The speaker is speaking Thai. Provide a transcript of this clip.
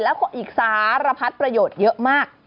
แล้วอีกสารพัดประโยชน์เยอะมาก